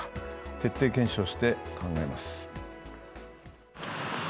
徹底検証して考えます。